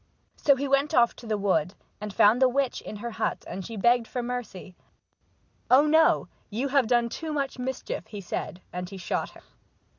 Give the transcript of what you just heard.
So he went off to the wood, and found the witch in her hut, and she begged for mercy. "Oh no, you have done too much mischief," he said, and he shot her.